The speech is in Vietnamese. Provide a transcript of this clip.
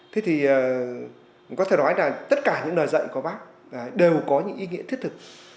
thế thì có thể nói là tất cả những lời dạy của bác đều có những ý nghĩa thiết thực